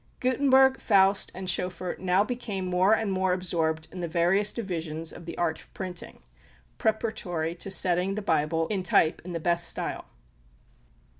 Gutenberg, Faust, and Schoeffer now became more and more absorbed in the various divisions of the art of printing, preparatory to setting the Bible in type in the best style.